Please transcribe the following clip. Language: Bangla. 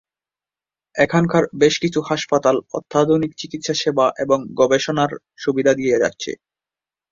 এখানকার বেশকিছু হাসপাতাল অত্যাধুনিক চিকিৎসাসেবা এবং গবেষণার সুবিধা দিয়ে যাচ্ছে।